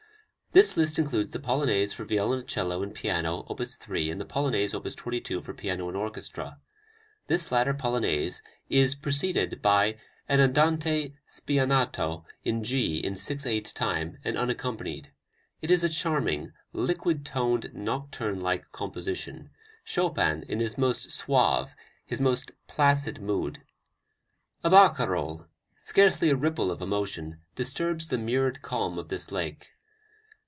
This list includes the Polonaise for violoncello and piano, op. 3, and the Polonaise, op. 22, for piano and orchestra. This latter Polonaise is preceded by an andante spianato in G in six eight time, and unaccompanied. It is a charming, liquid toned, nocturne like composition, Chopin in his most suave, his most placid mood: a barcarolle, scarcely a ripple of emotion, disturbs the mirrored calm of this lake.